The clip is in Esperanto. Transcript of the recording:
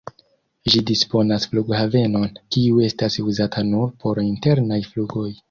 Ĝi disponas flughavenon, kiu estas uzata nur por internaj flugoj.